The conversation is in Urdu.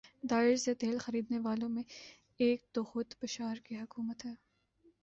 داعش سے تیل خرینے والوں میں ایک تو خود بشار کی حکومت ہے